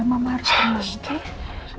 mama harus tenang oke